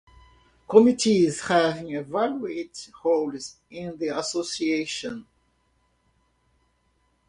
Committees have varied roles in the association.